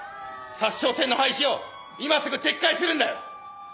札沼線の廃止を今すぐ撤回するんだよ！